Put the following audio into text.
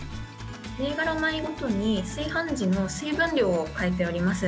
銘柄米ごとに、炊飯時の水分量を変えております。